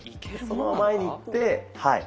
そのまま前に行って。